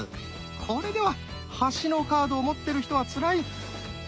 これでは端のカードを持ってる人はつらい！